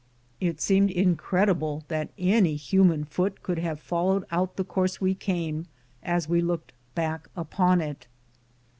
It seemed incredible that any III MOUNT human foot could have followed out the course we came, as we looked back upon it.